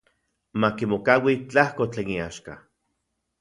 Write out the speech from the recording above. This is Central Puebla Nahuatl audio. Makimokaui tlajko tlen iaxka.